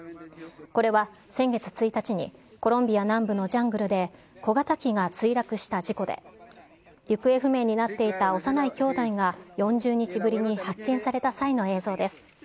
これは先月１日にコロンビア南部のジャングルで小型機が墜落した事故で、行方不明になっていた幼いきょうだいが４０日ぶりに発見された際の映像です。